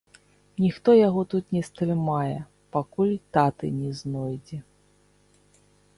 Ніхто яго тут не стрымае, пакуль таты не знойдзе.